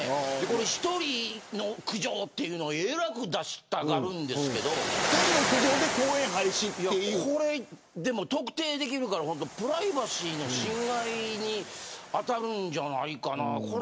１人の苦情というのをえらく出したがるんですけどこれ、特定できるからプライバシーの侵害に当たるんじゃないかな。